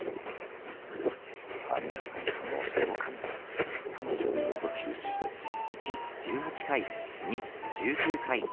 さあ皆さん可能性を考えて可能性をいろいろ記述しております。